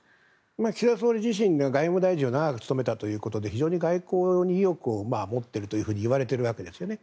岸田総理自身が外務大臣を長く務めたということで非常に外交に意欲を持っているというふうにいわれているわけですね。